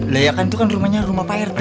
layakan itu kan rumahnya rumah pak rt